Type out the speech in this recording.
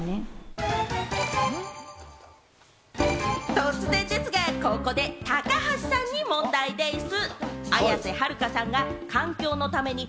突然ですが、ここで高橋さんに問題でぃす！